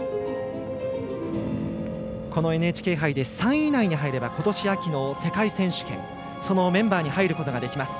このＮＨＫ杯で３位以内に入ればことし秋の世界選手権そのメンバーに入ることができます。